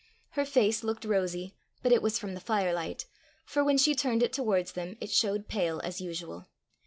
Her face looked rosy, but it was from the firelight, for when she turned it towards them, it showed pale as usual.